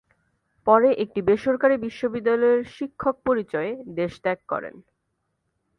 পরে একটি বেসরকারি বিশ্ববিদ্যালয়ের শিক্ষক পরিচয়ে দেশত্যাগ করেন।